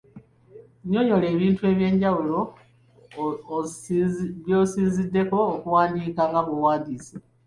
Nnyonnyola ebintu eby'enjawulo by'osinziddeko okuwandiika nga bw'owandiise.